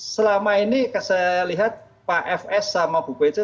selama ini saya lihat pak fs sama bu pece